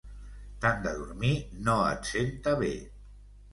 Tant de dormir no et senta bé.